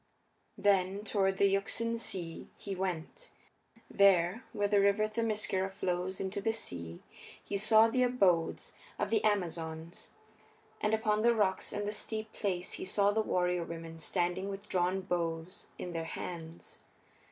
Then toward the Euxine Sea he went. There, where the River Themiscyra flows into the sea he saw the abodes of the Amazons. And upon the rocks and the steep place he saw the warrior women standing with drawn bows in their hands.